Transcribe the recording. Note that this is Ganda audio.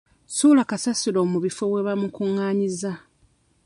Ssuula kasasiro ku bifo webamukungaanyiza.